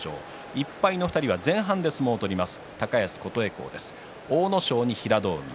１敗の２人は前半で相撲を取ります。